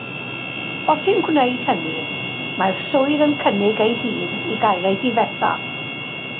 Os yw'n gwneud hynny, mae'r swydd yn cynnig ei hun i gael ei difetha.